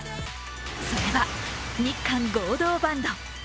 それは日韓合同バンド。